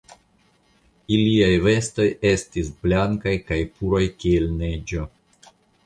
Iliaj vestoj estis blankaj kaj puraj kiel neĝo.